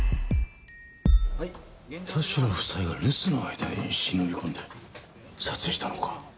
田代夫妻が留守の間に忍び込んで撮影したのか？